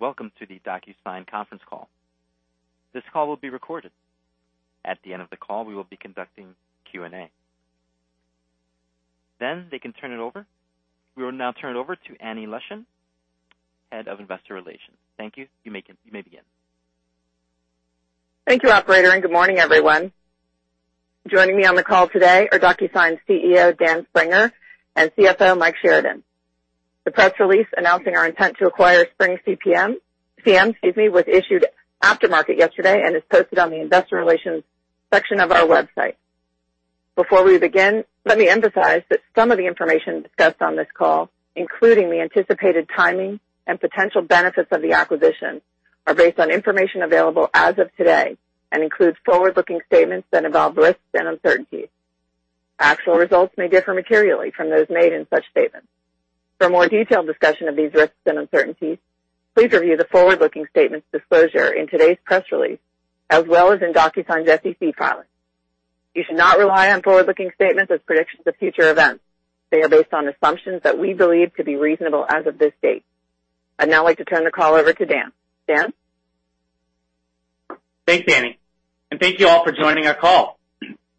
Welcome to the DocuSign conference call. This call will be recorded. At the end of the call, we will be conducting Q&A. They can turn it over. We will now turn it over to Annie Leschin, Head of Investor Relations. Thank you. You may begin. Thank you, operator. Good morning, everyone. Joining me on the call today are DocuSign CEO, Dan Springer, and CFO, Michael Sheridan. The press release announcing our intent to acquire SpringCM was issued after market yesterday and is posted on the investor relations section of our website. Before we begin, let me emphasize that some of the information discussed on this call, including the anticipated timing and potential benefits of the acquisition, are based on information available as of today and includes forward-looking statements that involve risks and uncertainties. Actual results may differ materially from those made in such statements. For a more detailed discussion of these risks and uncertainties, please review the forward-looking statements disclosure in today's press release, as well as in DocuSign's SEC filings. You should not rely on forward-looking statements as predictions of future events. They are based on assumptions that we believe to be reasonable as of this date. I'd now like to turn the call over to Dan. Dan? Thanks, Annie. Thank you all for joining our call.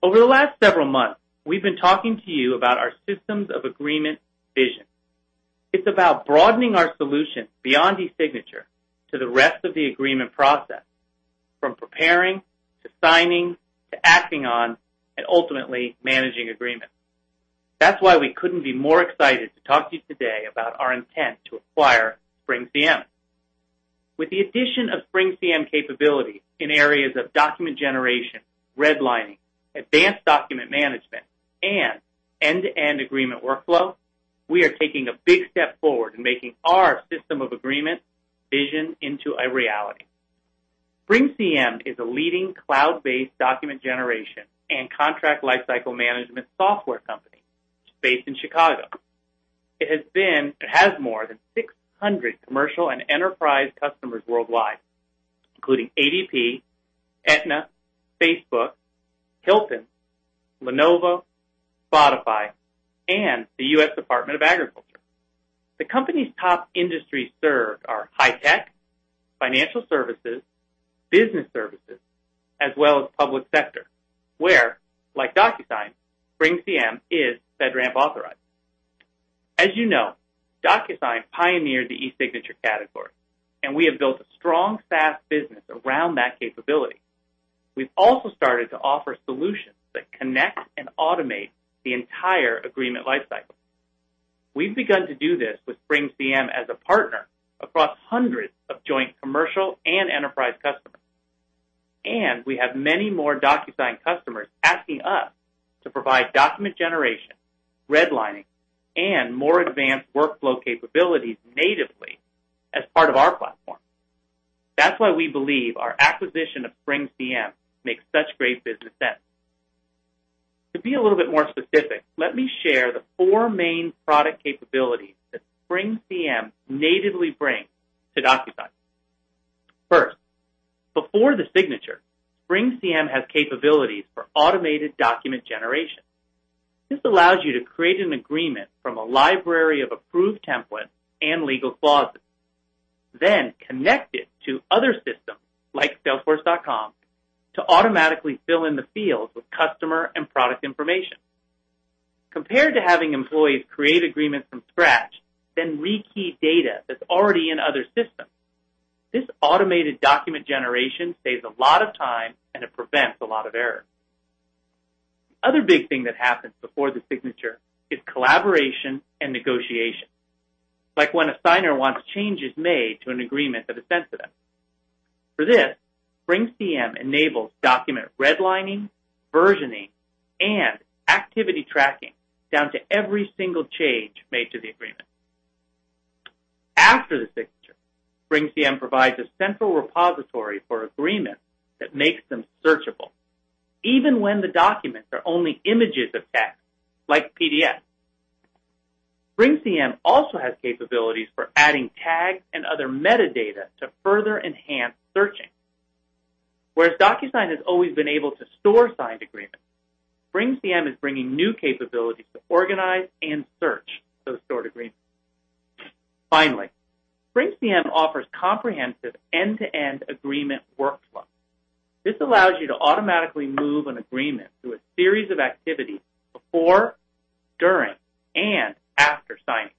Over the last several months, we've been talking to you about our System of Agreement vision. It's about broadening our solution beyond eSignature to the rest of the agreement process, from preparing to signing to acting on and ultimately managing agreements. That's why we couldn't be more excited to talk to you today about our intent to acquire SpringCM. With the addition of SpringCM capability in areas of document generation, redlining, advanced document management, and end-to-end agreement workflow, we are taking a big step forward in making our System of Agreement vision into a reality. SpringCM is a leading cloud-based document generation and contract lifecycle management software company. It's based in Chicago. It has more than 600 commercial and enterprise customers worldwide, including ADP, Aetna, Facebook, Hilton, Lenovo, Spotify, and the U.S. Department of Agriculture. The company's top industries served are high tech, financial services, business services, as well as public sector, where, like DocuSign, SpringCM is FedRAMP authorized. As you know, DocuSign pioneered the eSignature category, and we have built a strong SaaS business around that capability. We've also started to offer solutions that connect and automate the entire agreement lifecycle. We've begun to do this with SpringCM as a partner across hundreds of joint commercial and enterprise customers. We have many more DocuSign customers asking us to provide document generation, redlining, and more advanced workflow capabilities natively as part of our platform. That's why we believe our acquisition of SpringCM makes such great business sense. To be a little bit more specific, let me share the four main product capabilities that SpringCM natively brings to DocuSign. First, before the signature, SpringCM has capabilities for automated document generation. This allows you to create an agreement from a library of approved templates and legal clauses, then connect it to other systems, like salesforce.com, to automatically fill in the fields with customer and product information. Compared to having employees create agreements from scratch, then re-key data that's already in other systems, this automated document generation saves a lot of time, and it prevents a lot of errors. The other big thing that happens before the signature is collaboration and negotiation, like when a signer wants changes made to an agreement that is sent to them. For this, SpringCM enables document redlining, versioning, and activity tracking down to every single change made to the agreement. After the signature, SpringCM provides a central repository for agreements that makes them searchable, even when the documents are only images of text, like PDF. SpringCM also has capabilities for adding tags and other metadata to further enhance searching. Whereas DocuSign has always been able to store signed agreements, SpringCM is bringing new capabilities to organize and search those stored agreements. Finally, SpringCM offers comprehensive end-to-end agreement workflow. This allows you to automatically move an agreement through a series of activities before, during, and after signing.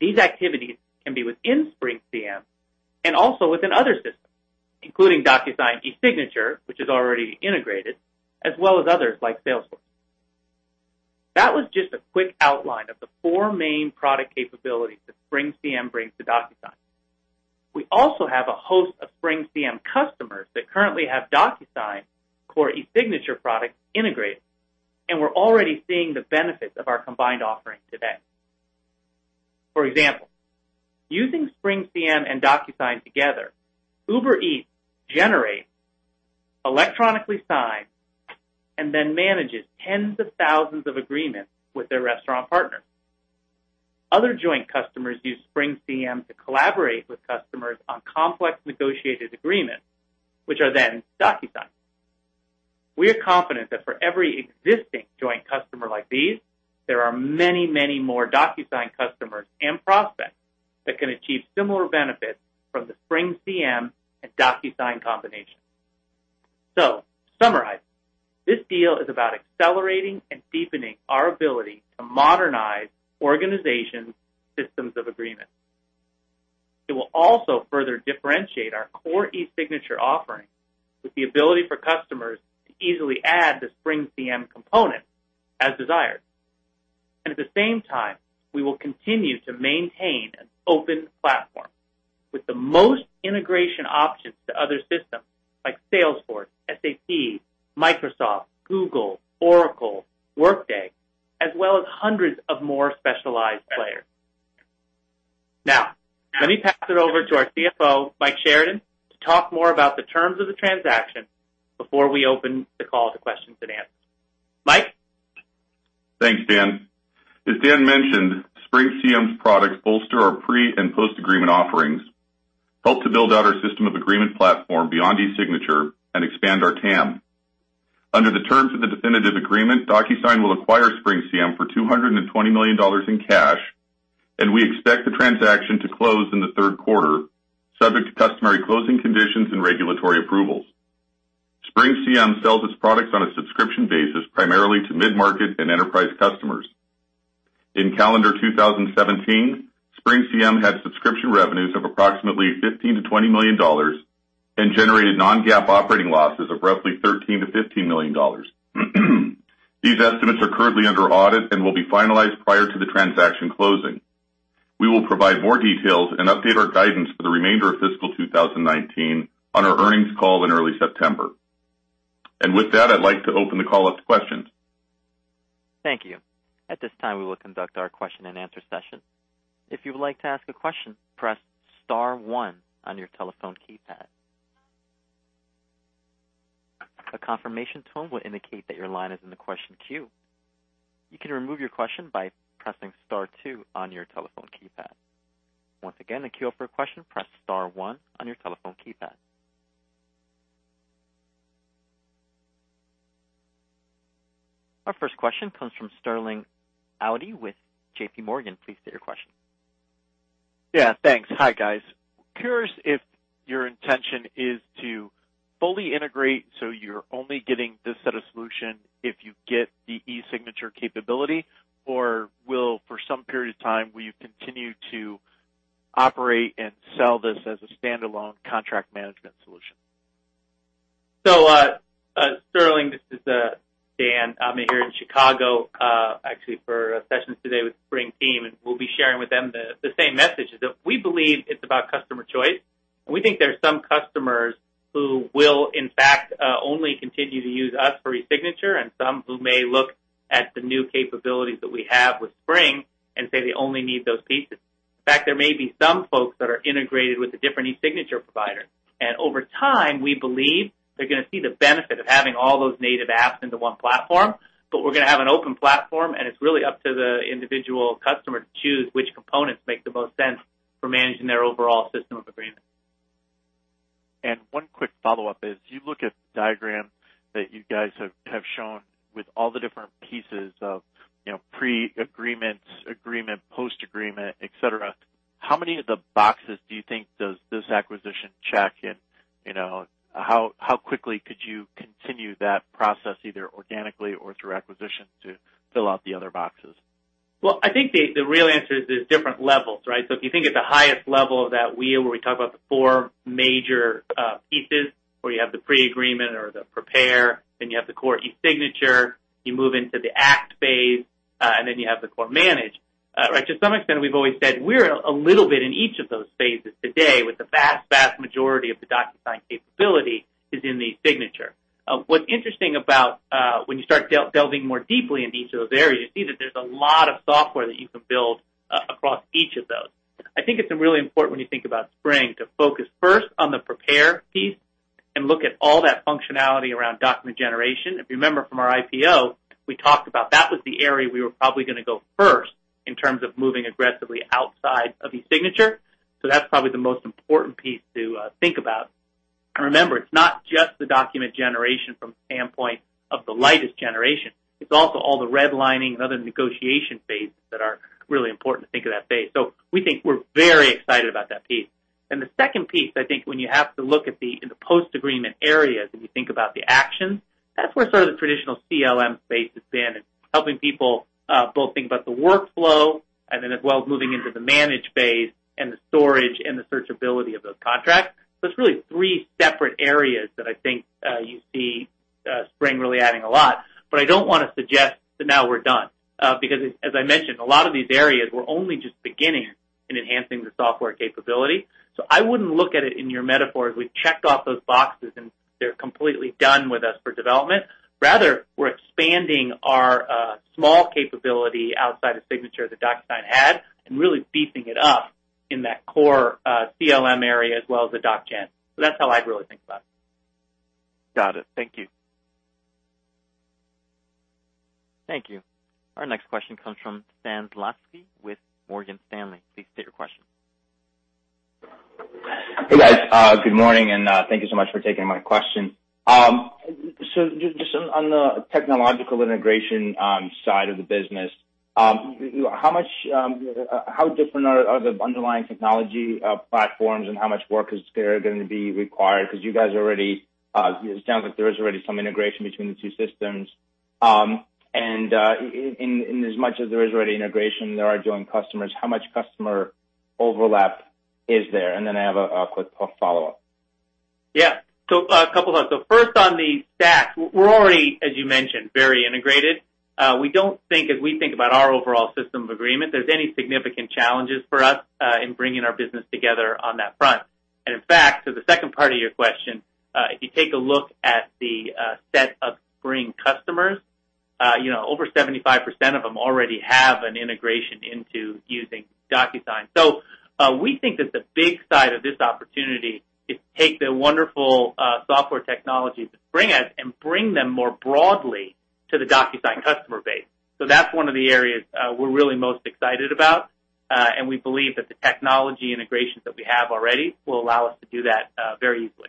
These activities can be within SpringCM and also within other systems, including DocuSign eSignature, which is already integrated, as well as others, like Salesforce. That was just a quick outline of the four main product capabilities that SpringCM brings to DocuSign. We also have a host of SpringCM customers that currently have DocuSign core eSignature products integrated, and we're already seeing the benefits of our combined offering today. For example, using SpringCM and DocuSign together, Uber Eats generates, electronically signs, and then manages tens of thousands of agreements with their restaurant partners. Other joint customers use SpringCM to collaborate with customers on complex negotiated agreements, which are then DocuSign. We are confident that for every existing joint customer like these, there are many, many more DocuSign customers and prospects that can achieve similar benefits from the SpringCM and DocuSign combination. To summarize, this deal is about accelerating and deepening our ability to modernize organizations' System of Agreement. It will also further differentiate our core eSignature offering with the ability for customers to easily add the SpringCM component as desired. At the same time, we will continue to maintain an open platform with the most integration options to other systems like Salesforce, SAP, Microsoft, Google, Oracle, Workday, as well as hundreds of more specialized players. Now, let me pass it over to our CFO, Mike Sheridan, to talk more about the terms of the transaction before we open the call to questions and answers. Mike? Thanks, Dan. As Dan mentioned, SpringCM's products bolster our pre- and post-agreement offerings, help to build out our System of Agreement platform beyond eSignature, and expand our TAM. Under the terms of the definitive agreement, DocuSign will acquire SpringCM for $220 million in cash, and we expect the transaction to close in the third quarter, subject to customary closing conditions and regulatory approvals. SpringCM sells its products on a subscription basis primarily to mid-market and enterprise customers. In calendar 2017, SpringCM had subscription revenues of approximately $15 million-$20 million and generated non-GAAP operating losses of roughly $13 million-$15 million. These estimates are currently under audit and will be finalized prior to the transaction closing. We will provide more details and update our guidance for the remainder of fiscal 2019 on our earnings call in early September. With that, I'd like to open the call up to questions. Thank you. At this time, we will conduct our question and answer session. If you would like to ask a question, press star one on your telephone keypad. A confirmation tone will indicate that your line is in the question queue. You can remove your question by pressing star two on your telephone keypad. Once again, to queue up for a question, press star one on your telephone keypad. Our first question comes from Sterling Auty with JP Morgan. Please state your question. Yeah, thanks. Hi, guys. Curious if your intention is to fully integrate, so you're only getting this set of solution if you get the eSignature capability, or will, for some period of time, will you continue to operate and sell this as a standalone contract management solution? Sterling, this is Dan. I'm here in Chicago actually for sessions today with Spring team, and we'll be sharing with them the same message, is that we believe it's about customer choice, and we think there are some customers who will in fact only continue to use us for eSignature and some who may look at the new capabilities that we have with Spring and say they only need those pieces. In fact, there may be some folks that are integrated with a different eSignature provider. Over time, we believe they're gonna see the benefit of having all those native apps into one platform. We're gonna have an open platform, and it's really up to the individual customer to choose which components make the most sense for managing their overall System of Agreement. One quick follow-up is, you look at the diagram that you guys have shown with all the different pieces of pre-agreements, agreement, post-agreement, et cetera, how many of the boxes do you think does this acquisition check in? How quickly could you continue that process, either organically or through acquisition, to fill out the other boxes? Well, I think the real answer is there's different levels, right? If you think at the highest level of that wheel, where we talk about the four major pieces, where you have the pre-agreement or the prepare, you have the core eSignature, you move into the act phase, you have the core manage. To some extent, we've always said we're a little bit in each of those phases today with the vast majority of the DocuSign capability is in the eSignature. What's interesting about when you start delving more deeply into each of those areas, you see that there's a lot of software that you can build across each of those. I think it's really important when you think about Spring to focus first on the prepare piece and look at all that functionality around document generation. If you remember from our IPO, we talked about that was the area we were probably gonna go first in terms of moving aggressively outside of eSignature. That's probably the most important piece to think about. Remember, it's not just the document generation from the standpoint of the lightest generation, it's also all the redlining and other negotiation phases that are really important to think of that phase. We think we're very excited about that piece. The second piece, I think when you have to look in the post-agreement areas and you think about the actions, that's where sort of the traditional CLM space has been in helping people both think about the workflow and then as well as moving into the manage phase and the storage and the searchability of those contracts. It's really three separate areas that I think you see SpringCM really adding a lot. I don't want to suggest that now we're done, because as I mentioned, a lot of these areas we're only just beginning in enhancing the software capability. I wouldn't look at it in your metaphor as we've checked off those boxes and they're completely done with us for development. Rather, we're expanding our small capability outside of signature that DocuSign had and really beefing it up in that core CLM area as well as the DocGen. That's how I'd really think about it. Got it. Thank you. Thank you. Our next question comes from Stan Zlotsky with Morgan Stanley. Please state your question. Hey, guys. Good morning, and thank you so much for taking my question. Just on the technological integration side of the business, how different are the underlying technology platforms, and how much work is there going to be required? Because it sounds like there is already some integration between the two systems. Inasmuch as there is already integration, there are joint customers, how much customer overlap is there? Then I have a quick follow-up. Yeah. A couple of things. First, on the stack, we're already, as you mentioned, very integrated. We don't think, as we think about our overall System of Agreement, there's any significant challenges for us in bringing our business together on that front. In fact, to the second part of your question, if you take a look at the set of Spring customers, over 75% of them already have an integration into using DocuSign. We think that the big side of this opportunity is to take the wonderful software technologies that Spring has and bring them more broadly to the DocuSign customer base. That's one of the areas we're really most excited about. We believe that the technology integrations that we have already will allow us to do that very easily.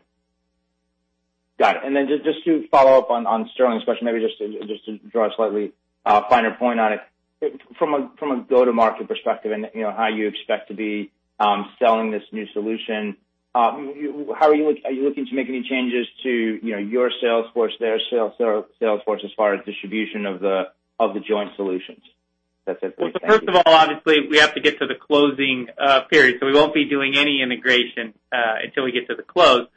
Got it. Then just to follow up on Sterling's question, maybe just to draw a slightly finer point on it. From a go-to-market perspective and how you expect to be selling this new solution, are you looking to make any changes to your sales force, their sales force, as far as distribution of the joint solutions? That's it for me. Thank you. First of all, obviously, we have to get to the closing period, we won't be doing any integration until we get to the close.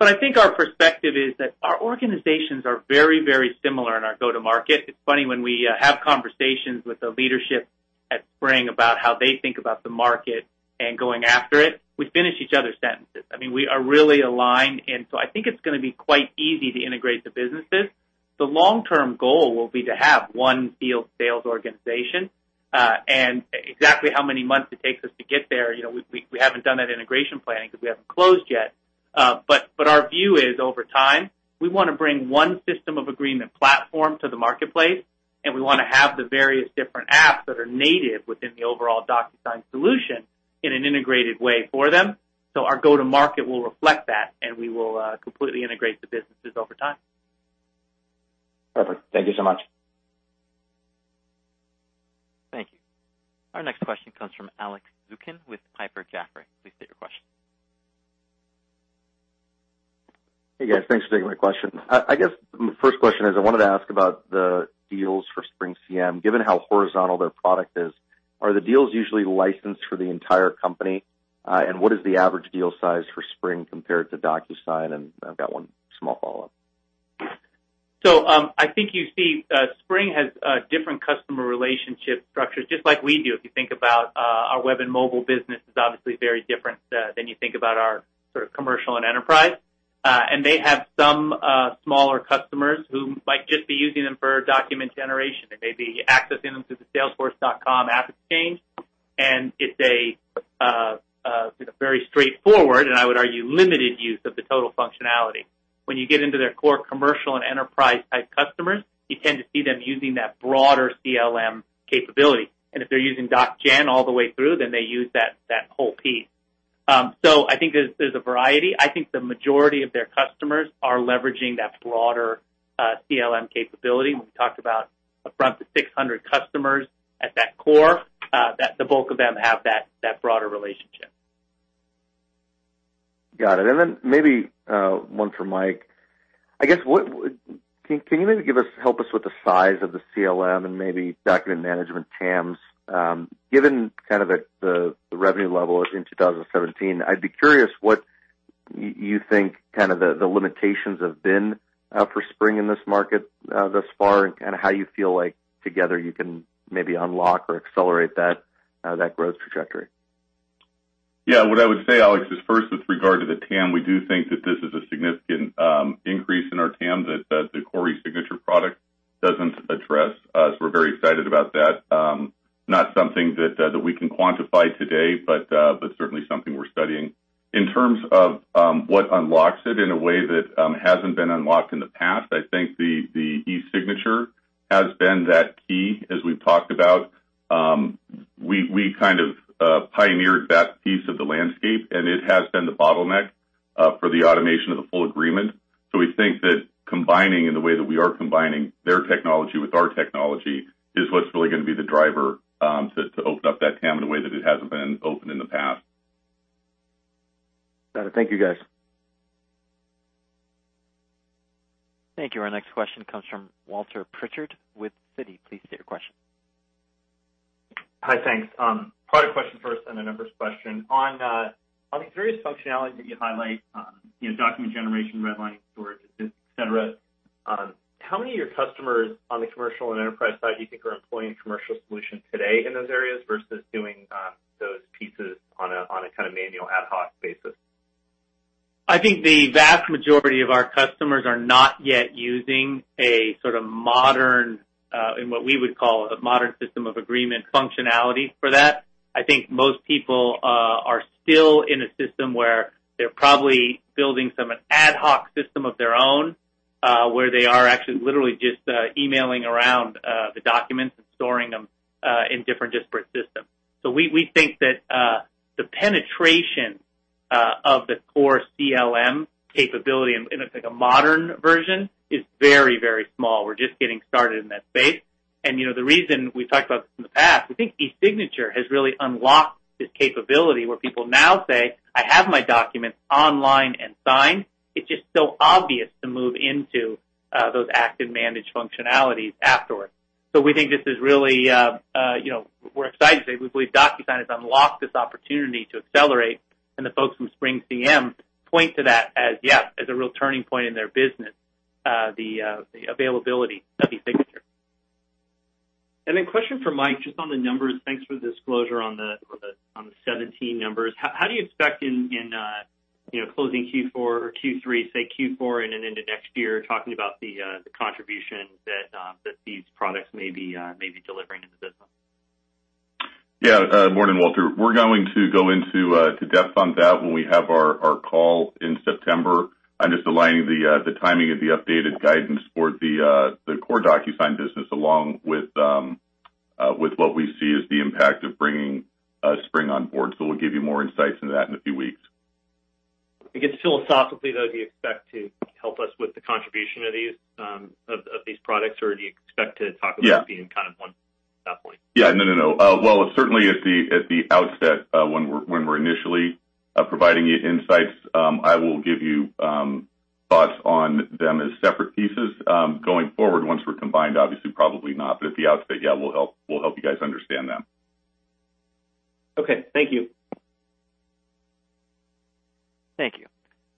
I think our perspective is that our organizations are very similar in our go-to-market. It's funny when we have conversations with the leadership at Spring about how they think about the market and going after it, we finish each other's sentences. We are really aligned, I think it's going to be quite easy to integrate the businesses. The long-term goal will be to have one field sales organization. Exactly how many months it takes us to get there, we haven't done that integration planning because we haven't closed yet. Our view is, over time, we want to bring one System of Agreement platform to the marketplace, we want to have the various different apps that are native within the overall DocuSign solution in an integrated way for them. Our go-to-market will reflect that, we will completely integrate the businesses over time. Perfect. Thank you so much. Thank you. Our next question comes from Alex Zukin with Piper Jaffray. Please state your question. Hey, guys. Thanks for taking my question. I guess my first question is, I wanted to ask about the deals for SpringCM. Given how horizontal their product is, are the deals usually licensed for the entire company? What is the average deal size for Spring compared to DocuSign? I've got one small follow-up. I think you see Spring has different customer relationship structures, just like we do. If you think about our web and mobile business is obviously very different than you think about our commercial and enterprise. They have some smaller customers who might just be using them for document generation. They may be accessing them through the salesforce.com app exchange, and it's a very straightforward, and I would argue, limited use of the total functionality. When you get into their core commercial and enterprise-type customers, you tend to see them using that broader CLM capability. If they're using DocGen all the way through, then they use that whole piece. I think there's a variety. I think the majority of their customers are leveraging that broader CLM capability. When we talked about upfront the 600 customers at that core, the bulk of them have that broader relationship. Then maybe one for Mike. I guess, can you maybe help us with the size of the CLM and maybe document management TAMs? Given the revenue level in 2017, I'd be curious what you think the limitations have been for Spring in this market thus far and how you feel like together you can maybe unlock or accelerate that growth trajectory. Yeah. What I would say, Alex, is first with regard to the TAM, we do think that this is a significant increase in our TAM that the core eSignature product doesn't address. We're very excited about that. Not something that we can quantify today, but certainly something we're studying. In terms of what unlocks it in a way that hasn't been unlocked in the past, I think the eSignature has been that key, as we've talked about. We kind of pioneered that piece of the landscape, and it has been the bottleneck for the automation of the full agreement. We think that combining in the way that we are combining their technology with our technology is what's really going to be the driver to open up that TAM in a way that it hasn't been opened in the past. Got it. Thank you, guys. Thank you. Our next question comes from Walter Pritchard with Citi. Please state your question. Hi. Thanks. Part question first, then a numbers question. On the various functionalities that you highlight, document generation, redlining storage, et cetera, how many of your customers on the commercial and enterprise side do you think are employing commercial solutions today in those areas versus doing those pieces on a kind of manual ad hoc basis? I think the vast majority of our customers are not yet using a modern, in what we would call a modern System of Agreement functionality for that I think most people are still in a system where they're probably building some ad hoc system of their own where they are actually literally just emailing around the documents and storing them in different disparate systems. We think that the penetration of the core CLM capability in a modern version is very, very small. We're just getting started in that space. The reason we talked about this in the past, we think eSignature has really unlocked this capability where people now say, "I have my documents online and signed." It's just so obvious to move into those active managed functionalities afterwards. We're excited today. We believe DocuSign has unlocked this opportunity to accelerate, and the folks from SpringCM point to that as, yes, as a real turning point in their business, the availability of eSignature. Question for Mike, just on the numbers. Thanks for the disclosure on the 2017 numbers. How do you expect in closing Q4 or Q3, say Q4 and into next year, talking about the contribution that these products may be delivering into the system? Yeah. Morning, Walter. We're going to go into depth on that when we have our call in September. I'm just aligning the timing of the updated guidance for the core DocuSign business along with what we see as the impact of bringing Spring on board. We'll give you more insights into that in a few weeks. I guess philosophically, though, do you expect to help us with the contribution of these products, or do you expect to talk about Yeah them kind of one at that point? Yeah. No. Well, certainly at the outset, when we're initially providing you insights, I will give you thoughts on them as separate pieces. Going forward, once we're combined, obviously, probably not. At the outset, yeah, we'll help you guys understand them. Okay. Thank you. Thank you.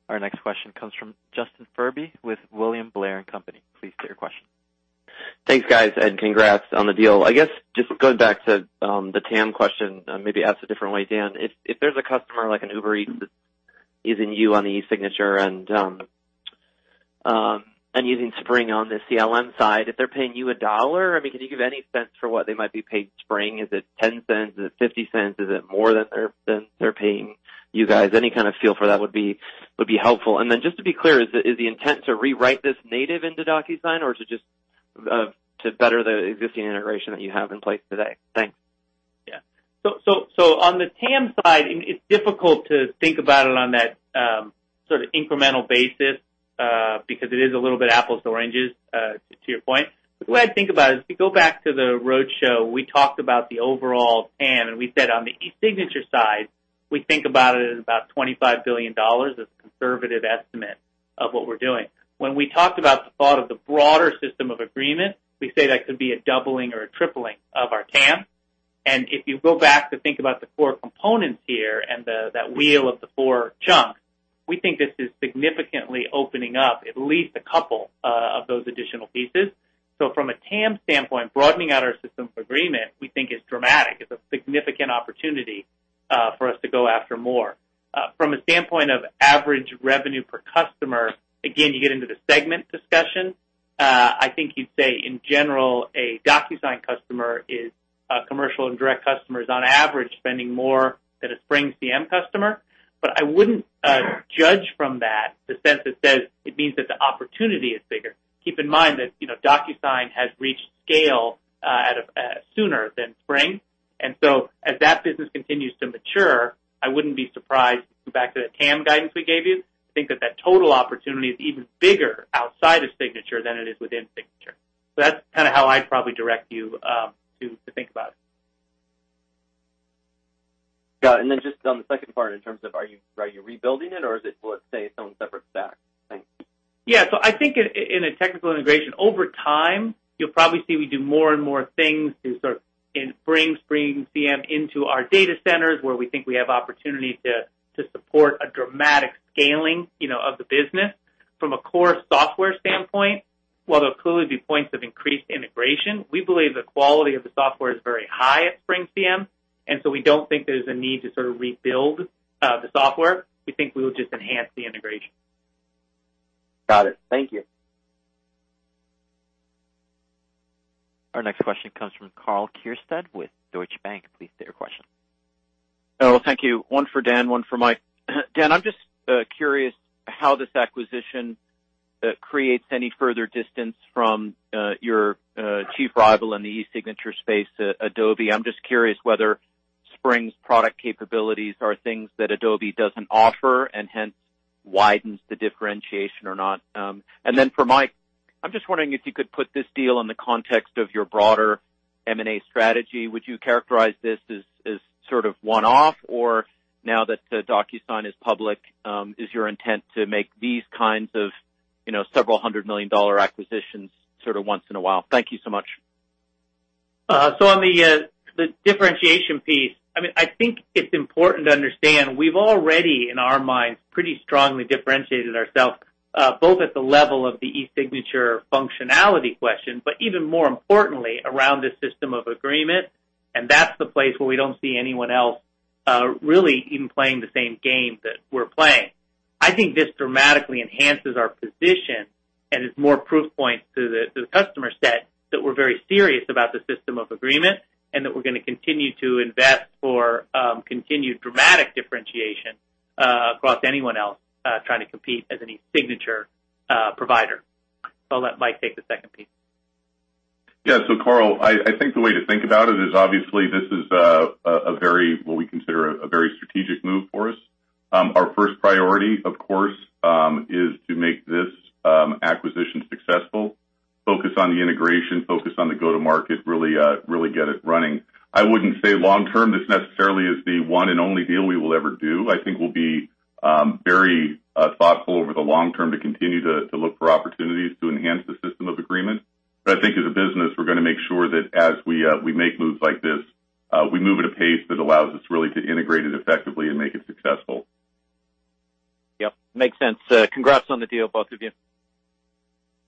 Our next question comes from Justin Furby with William Blair & Company. Please state your question. Thanks, guys, congrats on the deal. I guess just going back to the TAM question, maybe asked a different way, Dan, if there's a customer like an Uber Eats that's using you on the eSignature and using Spring on the CLM side, if they're paying you $1, can you give any sense for what they might be paying Spring? Is it $0.10? Is it $0.50? Is it more than they're paying you guys? Any kind of feel for that would be helpful. Then just to be clear, is the intent to rewrite this native into DocuSign or to better the existing integration that you have in place today? Thanks. Yeah. On the TAM side, it's difficult to think about it on that sort of incremental basis because it is a little bit apples to oranges, to your point. The way I think about it is, if you go back to the roadshow, we talked about the overall TAM, and we said on the eSignature side, we think about it as about $25 billion as a conservative estimate of what we're doing. When we talked about the thought of the broader System of Agreement, we say that could be a doubling or a tripling of our TAM. If you go back to think about the core components here and that wheel of the four chunks, we think this is significantly opening up at least a couple of those additional pieces. From a TAM standpoint, broadening out our System of Agreement, we think is dramatic. It's a significant opportunity for us to go after more. From a standpoint of average revenue per customer, again, you get into the segment discussion. I think you'd say, in general, a DocuSign customer is a commercial and direct customer is on average spending more than a SpringCM customer. I wouldn't judge from that the sense that says it means that the opportunity is bigger. Keep in mind that DocuSign has reached scale sooner than Spring. As that business continues to mature, I wouldn't be surprised, going back to the TAM guidance we gave you, to think that that total opportunity is even bigger outside of Signature than it is within Signature. That's kind of how I'd probably direct you to think about it. Got it. Just on the second part in terms of are you rebuilding it or is it, let's say, its own separate stack? Thanks. Yeah. I think in a technical integration, over time, you'll probably see we do more and more things to sort of bring SpringCM into our data centers where we think we have opportunity to support a dramatic scaling of the business. From a core software standpoint, while there'll clearly be points of increased integration, we believe the quality of the software is very high at SpringCM, we don't think there's a need to sort of rebuild the software. We think we will just enhance the integration. Got it. Thank you. Our next question comes from Karl Keirstead with Deutsche Bank. Please state your question. Thank you. One for Dan, one for Mike. Dan, I'm just curious how this acquisition creates any further distance from your chief rival in the eSignature space, Adobe. I'm just curious whether Spring's product capabilities are things that Adobe doesn't offer and hence widens the differentiation or not. For Mike, I'm just wondering if you could put this deal in the context of your broader M&A strategy. Would you characterize this as sort of one-off, or now that DocuSign is public, is your intent to make these kinds of several hundred million dollar acquisitions sort of once in a while? Thank you so much. On the differentiation piece, I think it's important to understand we've already, in our minds, pretty strongly differentiated ourselves both at the level of the eSignature functionality question, but even more importantly, around this System of Agreement, and that's the place where we don't see anyone else really even playing the same game that we're playing. I think this dramatically enhances our position and is more proof point to the customer set that we're very serious about the System of Agreement, and that we're going to continue to invest for continued dramatic differentiation across anyone else trying to compete as an eSignature provider. I'll let Mike take the second piece. Karl, I think the way to think about it is obviously this is what we consider a very strategic move for us. Our first priority, of course, is to make this acquisition successful, focus on the integration, focus on the go to market, really get it running. I wouldn't say long-term, this necessarily is the one and only deal we will ever do. I think we'll be very thoughtful over the long term to continue to look for opportunities to enhance the System of Agreement. I think as a business, we're going to make sure that as we make moves like this, we move at a pace that allows us really to integrate it effectively and make it successful. Yep, makes sense. Congrats on the deal, both of you.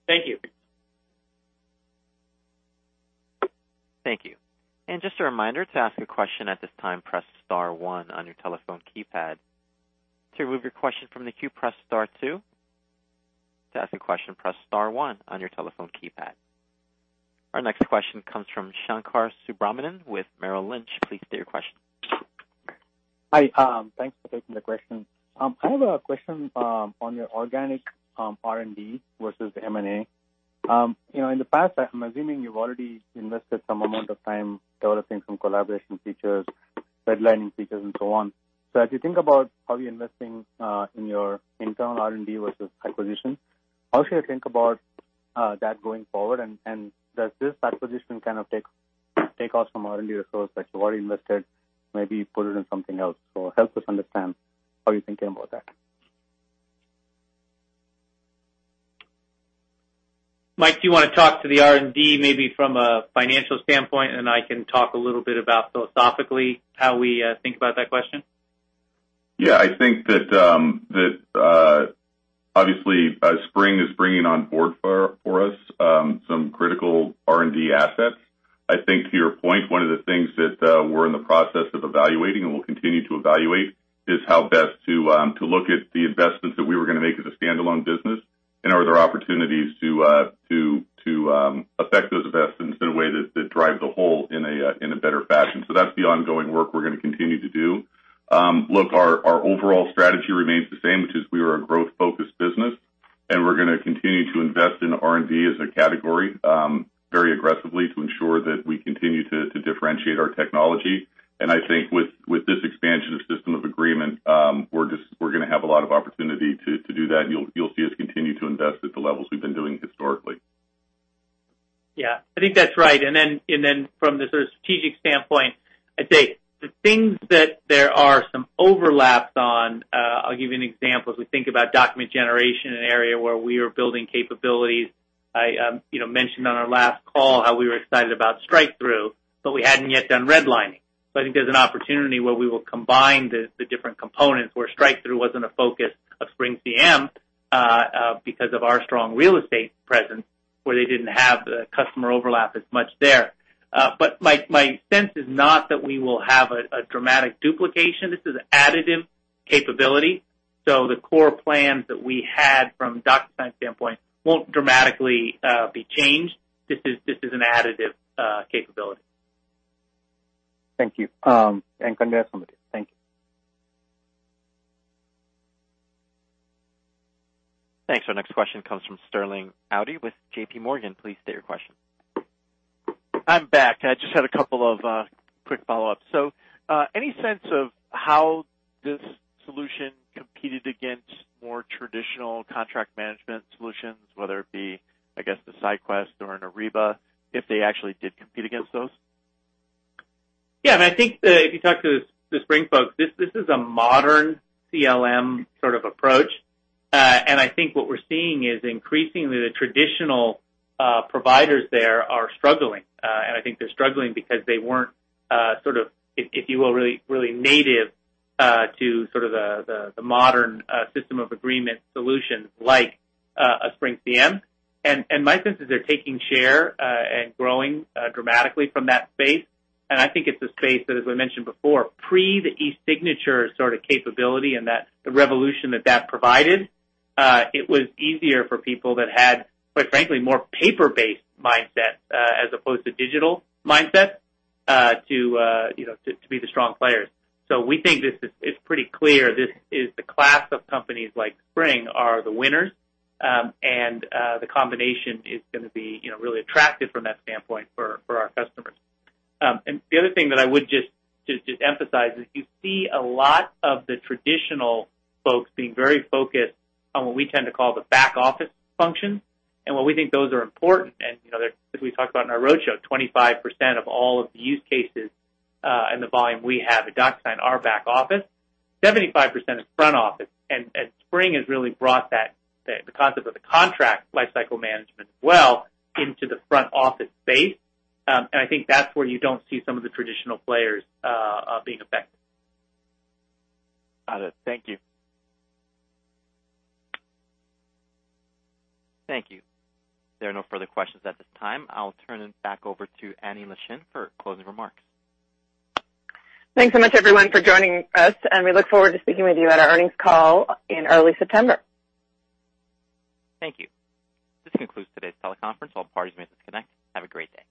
Thank you. Thank you. Just a reminder, to ask a question at this time, press star 1 on your telephone keypad. To remove your question from the queue, press star 2. To ask a question, press star 1 on your telephone keypad. Our next question comes from Shankar Subramanian with Merrill Lynch. Please state your question. Hi, thanks for taking the question. I have a question on your organic R&D versus M&A. In the past, I'm assuming you've already invested some amount of time developing some collaboration features, redlining features, and so on. As you think about how you're investing in your internal R&D versus acquisition, how should I think about that going forward? Does this acquisition take off some R&D resource that you've already invested, maybe put it in something else? Help us understand how you're thinking about that. Mike, do you want to talk to the R&D maybe from a financial standpoint, and I can talk a little bit about philosophically how we think about that question? Yeah, I think that, obviously, SpringCM is bringing on board for us some critical R&D assets. I think to your point, one of the things that we're in the process of evaluating and will continue to evaluate is how best to look at the investments that we were going to make as a standalone business, and are there opportunities to affect those investments in a way that drive the whole in a better fashion. That's the ongoing work we're going to continue to do. Look, our overall strategy remains the same, which is we are a growth-focused business, and we're going to continue to invest in R&D as a category very aggressively to ensure that we continue to differentiate our technology. I think with this expansion of System of Agreement, we're going to have a lot of opportunity to do that. You'll see us continue to invest at the levels we've been doing historically. Yeah, I think that's right. Then from the strategic standpoint, I'd say the things that there are some overlaps on, I'll give you an example, as we think about document generation, an area where we are building capabilities. I mentioned on our last call how we were excited about strike-through, but we hadn't yet done redlining. I think there's an opportunity where we will combine the different components, where strike-through wasn't a focus of SpringCM because of our strong real estate presence, where they didn't have the customer overlap as much there. My sense is not that we will have a dramatic duplication. This is additive capability. The core plans that we had from DocuSign standpoint won't dramatically be changed. This is an additive capability. Thank you. Congrats on the deal. Thank you. Thanks. Our next question comes from Sterling Auty with JP Morgan. Please state your question. I'm back. I just had a couple of quick follow-ups. Any sense of how this solution competed against more traditional contract management solutions, whether it be, I guess, the SciQuest or an Ariba, if they actually did compete against those? Yeah, I think if you talk to the Spring folks, this is a modern CLM approach. I think what we're seeing is increasingly the traditional providers there are struggling. I think they're struggling because they weren't, if you will, really native to the modern System of Agreement solutions like a SpringCM. My sense is they're taking share and growing dramatically from that space. I think it's a space that, as we mentioned before, pre the eSignature capability and the revolution that that provided, it was easier for people that had, quite frankly, more paper-based mindsets as opposed to digital mindsets to be the strong players. We think it's pretty clear this is the class of companies like Spring are the winners. The combination is going to be really attractive from that standpoint for our customers. The other thing that I would just emphasize is you see a lot of the traditional folks being very focused on what we tend to call the back office function. While we think those are important, and as we talked about in our roadshow, 25% of all of the use cases and the volume we have at DocuSign are back office, 75% is front office. Spring has really brought the concept of the contract lifecycle management well into the front office space. I think that's where you don't see some of the traditional players being effective. Got it. Thank you. Thank you. There are no further questions at this time. I'll turn it back over to Annie Leschin for closing remarks. Thanks so much, everyone, for joining us. We look forward to speaking with you at our earnings call in early September. Thank you. This concludes today's teleconference. All parties may disconnect. Have a great day.